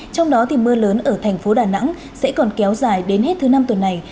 trong đó thì mưa lớn ở thành phố đà nẵng sẽ còn kéo dài đến hết thứ năm tuần này